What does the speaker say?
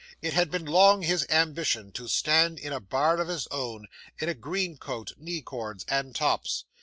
It had been long his ambition to stand in a bar of his own, in a green coat, knee cords, and tops.